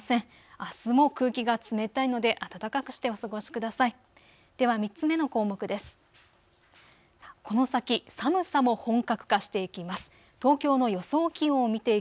あすも空気が冷たいので暖かくしてお過ごしください。